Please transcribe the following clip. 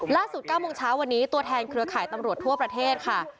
๙โมงเช้าวันนี้ตัวแทนเครือข่ายตำรวจทั่วประเทศค่ะ